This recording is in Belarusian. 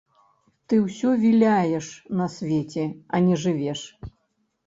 Ты ўсё віляеш на свеце, а не жывеш.